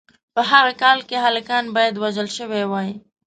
په هغه کال کې هلکان باید وژل شوي وای.